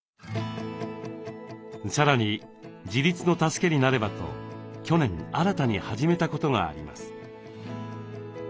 さらに自立の助けになればと去年新たに始めたことがあります。